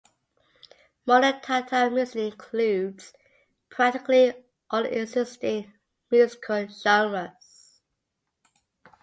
Modern Tatar music includes practically all existing musical genres.